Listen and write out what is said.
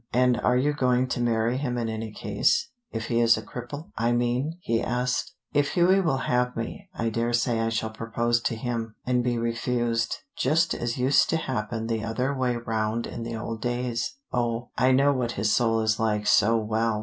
"And are you going to marry him in any case, if he is a cripple, I mean?" he asked. "If Hughie will have me. I daresay I shall propose to him, and be refused, just as used to happen the other way round in the old days. Oh, I know what his soul is like so well!